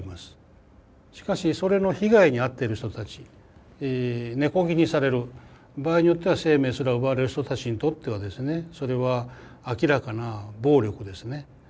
しかしそれの被害に遭ってる人たち根こぎにされる場合によっては生命すら奪われる人たちにとってはですねそれは明らかな暴力ですね。